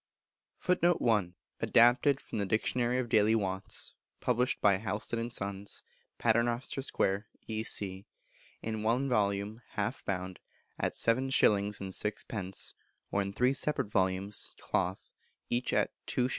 [Footnote 1: Adapted from the "Dictionary of Daily Wants," published by Houlston and Sons, Paternoster Square, E.C., in one volume, half bound, at 7s. 6d., or in three separate volumes, cloth, each 2s.